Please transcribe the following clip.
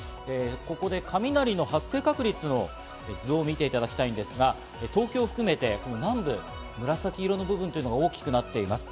ここで雷の発生確率の図を見ていただきたいんですが、東京を含めて南部、紫色の部分が大きくなっています。